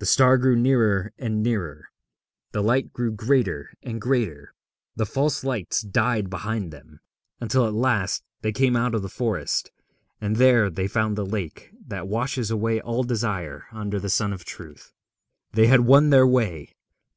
The star grew nearer and nearer, the light grew greater and greater, the false lights died behind them, until at last they came out of the forest, and there they found the lake that washes away all desire under the sun of Truth. They had won their way.